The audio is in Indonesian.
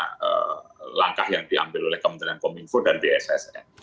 ada langkah yang diambil oleh kementerian kominfo dan bssn